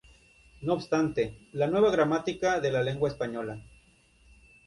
No obstante, la "Nueva gramática de la lengua española.